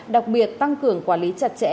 đặc biệt tăng cường quản lý chặt chẽ